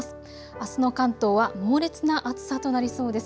あすの関東は猛烈な暑さとなりそうです。